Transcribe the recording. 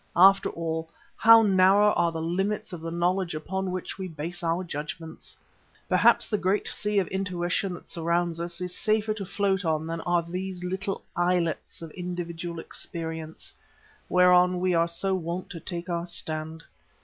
After all, how narrow are the limits of the knowledge upon which we base our judgments. Perhaps the great sea of intuition that surrounds us is safer to float on than are these little islets of individual experience, whereon we are so wont to take our stand.